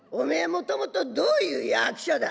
もともとどういう役者だ。